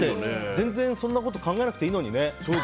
全然そんなこと考えなくていいのにね。